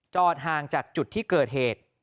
ห่างจากจุดที่เกิดเหตุ